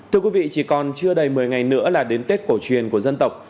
thưa quý vị chỉ còn chưa đầy một mươi ngày nữa là đến tết cổ truyền của dân tộc